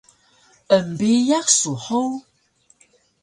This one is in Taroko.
Embiyax su hug?